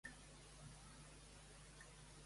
A veure com haurà quedat aquest suquet de bastina